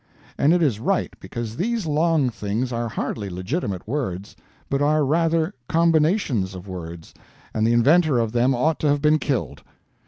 And it is right, because these long things are hardly legitimate words, but are rather combinations of words, and the inventor of them ought to have been killed.